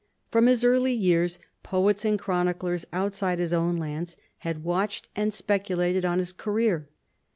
From his early years poets and chroniclers outside his own lands had watched and speculated on his career.